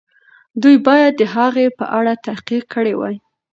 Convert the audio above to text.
دوی باید د هغې په اړه تحقیق کړی وای.